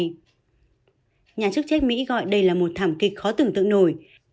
nhà chức trách mỹ gọi đây là một thảm kịch khó tưởng tượng nổi